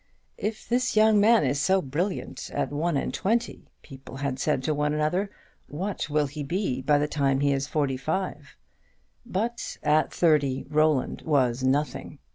"If this young man is so brilliant at one and twenty," people had said to one another, "what will he be by the time he is forty five?" But at thirty Roland was nothing.